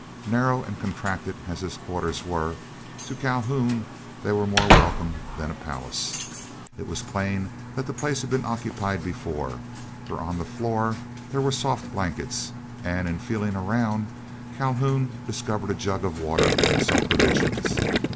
Narrow and contracted as his quarters were, to Calhoun they were more welcome than a palace. It was plain that the place had been occupied before, for on the floor there were soft blankets, and in feeling around Calhoun discovered a jug of water and some provisions.